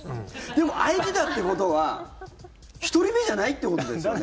でも、開いてたってことは１人目じゃないってことですよね？